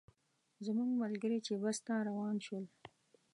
زموږ ملګري چې بس ته روان شول.